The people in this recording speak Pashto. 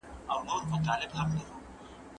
معلم صاحب ثمر ګل ته په ډېرې درناوي سره سلام وکړ.